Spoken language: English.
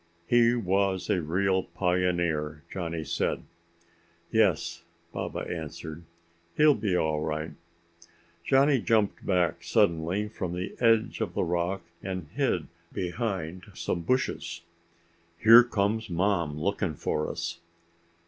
"He was a real pioneer," Johnny said. "Yes," Baba answered, "he'll be all right." Johnny jumped back suddenly from the edge of the rock and hid behind some bushes. "Here comes Mom, looking for us!"